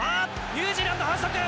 ニュージーランド反則！